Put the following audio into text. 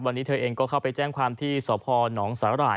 วันนี้เธอเองก็จะเข้าไปแจ้งความที่สหพาน้ำหนะหลาย